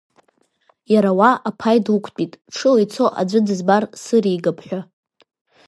Иара уа аԥаҩ длықәтәеит, ҽыла ицо аӡәы дызбар сыригап ҳәа.